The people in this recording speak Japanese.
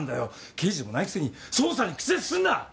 刑事でもないくせに捜査に口出しすんな！